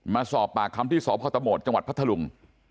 มาสอบปากคำที่สพตะโหมดจังหวัดพัทธลุง